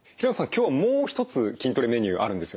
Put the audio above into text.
今日はもう一つ筋トレメニューあるんですよね。